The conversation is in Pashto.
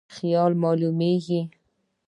خیالي معلومیږي.